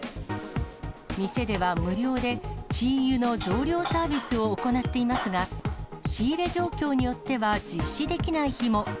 店では無料で、チーユの増量サービスを行っていますが、仕入れ状況によっては実施できない日も。